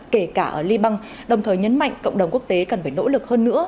kể cả ở liban đồng thời nhấn mạnh cộng đồng quốc tế cần phải nỗ lực hơn nữa